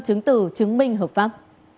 chứng tử chứng minh hợp pháp